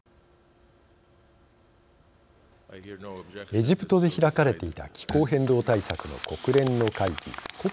エジプトで開かれていた気候変動対策の国連の会議